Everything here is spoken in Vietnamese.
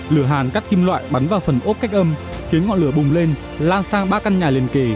lửa hàn các kim loại bắn vào phần ốp cách âm khiến ngọn lửa bùng lên lan sang ba căn nhà liền kề